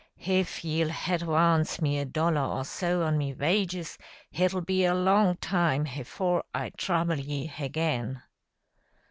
Hif ye'll hadvance me a dollar or so on me wages hit'll be a long time hafore I trouble ye hagain."